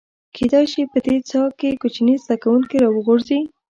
کېدای شي په دې څاه کې کوچني زده کوونکي راوغورځي.